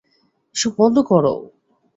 এসব বন্ধ করো।